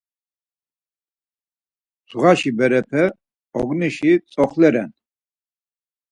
Zuğaşi berepe ognişi tzoxle ren.